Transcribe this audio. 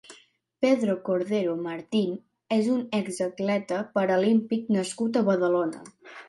Pedro Cordero Martín és un ex-atleta paralímpic nascut a Badalona.